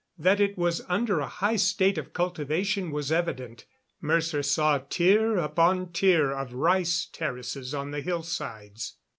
That it was under a high state of cultivation was evident. Mercer saw tier upon tier of rice terraces on the hillsides.